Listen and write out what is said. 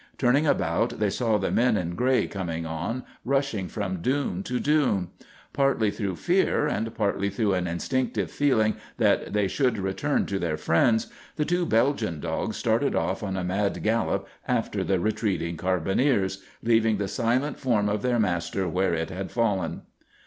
Turning about, they saw the men in gray coming on, rushing from dune to dune. Partly through fear and partly through an instinctive feeling that they should return to their friends, the two Belgian dogs started off on a mad gallop after the retreating carbineers, leaving the silent form of their master where it had fallen.